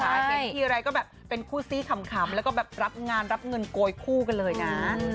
เห็นทีไรก็แบบเป็นคู่ซี้ขำแล้วก็แบบรับงานรับเงินโกยคู่กันเลยนะ